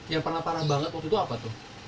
yang pernah parah banget waktu itu apa tuh